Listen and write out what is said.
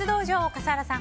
笠原さん